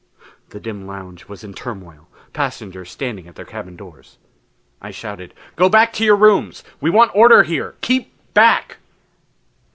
The dim lounge was in a turmoil; passengers standing at their cabin doors. I shouted, "Go back to your rooms! We want order here keep back!"